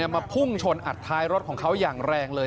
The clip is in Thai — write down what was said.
มาพุ่งชนอัดท้ายรถของเขาอย่างแรงเลย